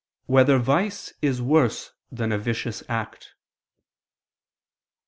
3] Whether Vice Is Worse Than a Vicious Act?